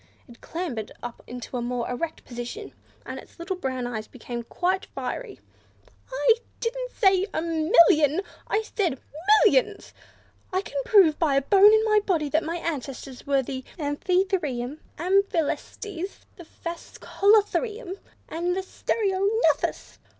It clambered up into a more erect position, and its little brown eyes became quite fiery. "I didn't say a million; I said millions! I can prove by a bone in my body that my ancestors were the Amphitherium, the Amphilestes, the Phascolotherium, and the Stereognathus!"